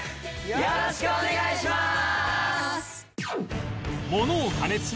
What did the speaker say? よろしくお願いします！